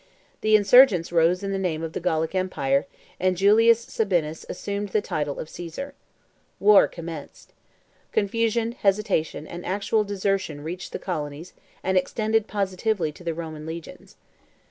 The insurgents rose in the name of the Gallic empire, and Julius Sabinus assumed the title of Caesar. War commenced. Confusion, hesitation, and actual desertion reached the colonies and extended positively to the Roman legions.